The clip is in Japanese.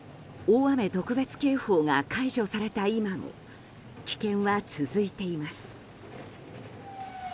大雨特別警報が解除された今も危険は続いています。